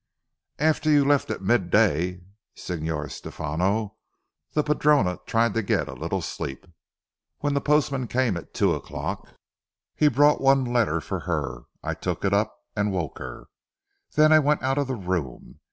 "After you left at mid day Signor Stephano, the padrona tried to get a little sleep. When the postman came at two o'clock, he brought one letter for her. I took it up, and woke her. Then I went out of the room.